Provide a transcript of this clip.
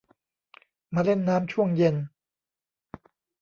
มาเล่นน้ำช่วงเย็น